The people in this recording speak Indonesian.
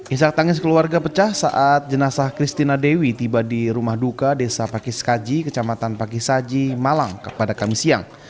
isak tangis keluarga pecah saat jenazah christina dewi tiba di rumah duka desa pakiskaji kecamatan pakisaji malang kepada kamisiyang